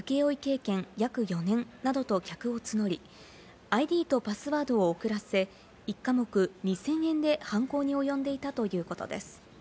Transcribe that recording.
「ウェブテ請負経験約４年」などと客を募り、ＩＤとパスワードを送らせ１科目２０００円で犯行におよんでいたということです。